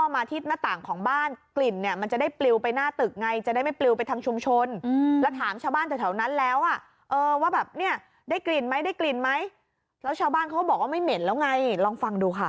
พี่บอกว่าไม่เหม็นแล้วไงลองฟังดูค่ะ